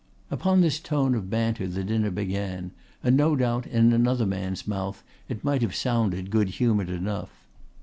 Upon this tone of banter the dinner began; and no doubt in another man's mouth it might have sounded good humoured enough.